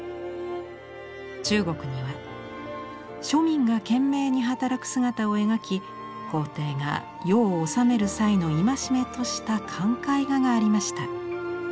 中国には庶民が懸命に働く姿を描き皇帝が世を治める際の戒めとした勧戒画がありました。